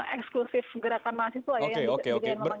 eksklusif gerakan mahasiswa ya yang diperlukan kemarin